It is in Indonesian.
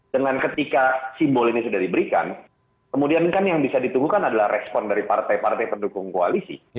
dengan ketika simbol ini sudah diberikan kemudian kan yang bisa ditunggu kan adalah respon dari partai partai pendukung koalisi